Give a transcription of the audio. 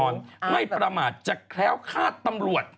ไม่ประมาทจะแคล้วคาดตำรวจ